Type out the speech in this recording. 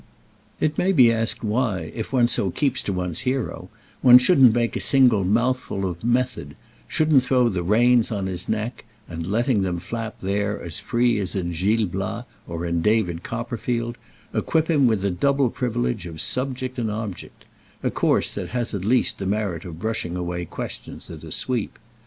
It may be asked why, if one so keeps to one's hero, one shouldn't make a single mouthful of "method," shouldn't throw the reins on his neck and, letting them flap there as free as in "Gil Blas" or in "David Copperfield," equip him with the double privilege of subject and object—a course that has at least the merit of brushing away questions at a sweep.